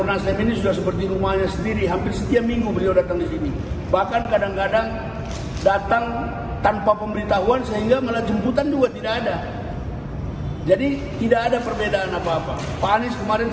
jadi tidak ada perbedaan apa apa pak anies kemarin sampai jam setengah sebelas di sini